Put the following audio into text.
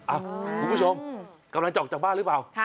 คุณผู้ชมกำลังจะออกจากบ้านหรือเปล่า